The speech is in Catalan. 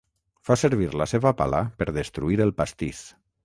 Fa servir la seva pala per destruir el pastís.